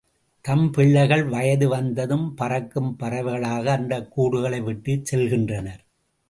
தம் பிள்ளைகள் வயது வந்ததும் பறக்கும் பறவைகளாக, அந்தக் கூடுகளை விட்டுச் செல்கின்றனர்.